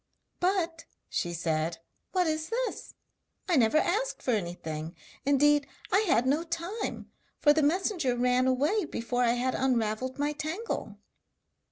'But,' she said, 'what is this? I never asked for anything! Indeed I had no time, for the messenger ran away before I had unravelled my tangle.'